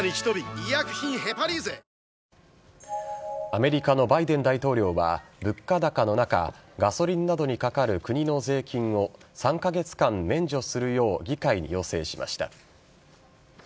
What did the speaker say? アメリカのバイデン大統領は物価高の中ガソリンなどにかかる国の税金を３カ月間免除するよう議会に要請しました。